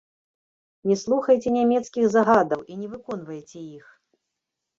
Не слухайце нямецкіх загадаў і не выконвайце іх!